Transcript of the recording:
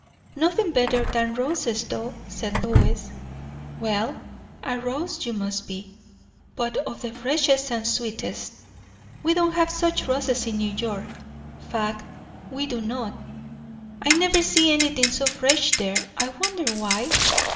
"Nothing better than roses, though," said Lois. "Well, a rose you must be; but of the freshest and sweetest. We don't have such roses in New York. Fact, we do not. I never see anything so fresh there. I wonder why?"